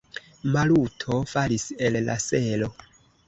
Maluto falis el la selo.